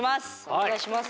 お願いします！